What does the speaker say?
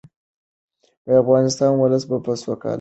افغان ولس به سوکاله شي.